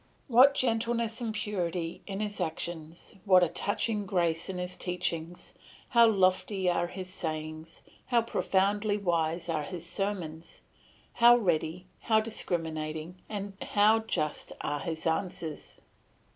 What gentleness and purity in his actions, what a touching grace in his teaching, how lofty are his sayings, how profoundly wise are his sermons, how ready, how discriminating, and how just are his answers!